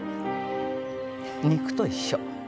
肉と一緒。